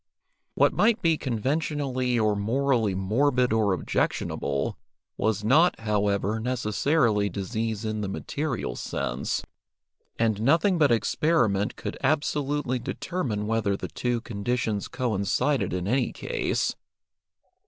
What might be conventionally or morally morbid or objectionable, was not, however, necessarily disease in the material sense, and nothing but experiment could absolutely determine whether the two conditions coincided in any case.